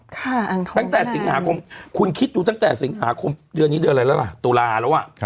ตั้งแต่สิงหาคมคุณคิดดูตั้งแต่สิงหาคมเดือนนี้เดือนอะไรแล้วล่ะตุลาแล้วอ่ะ